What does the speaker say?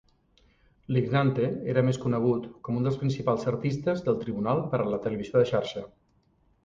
Lignante era més conegut com un dels principals artistes del tribunal per a la televisió de xarxa.